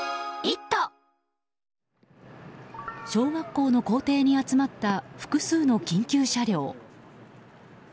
小学校の校庭に集まった複数の緊急車両。